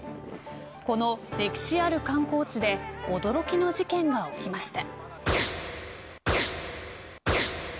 この歴史ある観光地で驚きの事件が起きました。